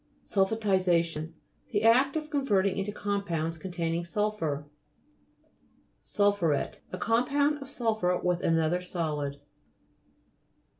SULPHATISA'TION The act of con verting into compounds containing sulphur. SUL'PHURET A compound of sul phur with an other solid.